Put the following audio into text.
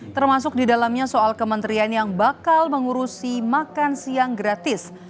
termasuk di dalamnya soal kementerian yang bakal mengurusi makan siang gratis